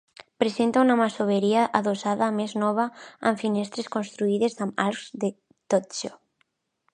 Presenta una masoveria adossada, més nova, amb finestres construïdes amb arcs de totxo.